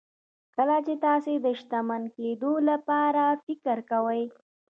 کله چې تاسې د شتمن کېدو لپاره فکر کوئ.